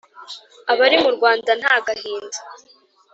abari mu rwanda nta gahinda